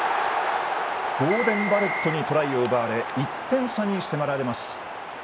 ボーデン・バレットにトライを奪われ１点差に迫られます。